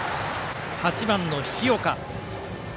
８番の日岡。